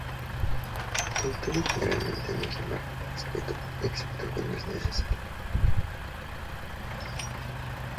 El tono generalmente no se marca por escrito excepto cuando es necesario.